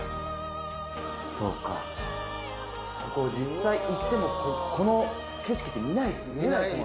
そうかここ実際行ってもこの景色って見ないですもんね